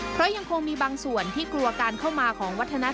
เพราะยังคงมีบางส่วนที่กลัวการเข้ามาของวัฒนธรรม